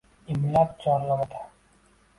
Imlab chorlamoqda